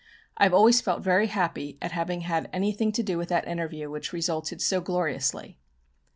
I have always felt very happy at having had anything to do with that interview, which resulted so gloriously."